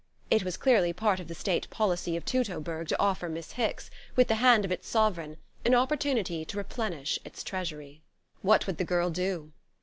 It was clearly part of the state policy of Teutoburg to offer Miss Hicks, with the hand of its sovereign, an opportunity to replenish its treasury. What would the girl do?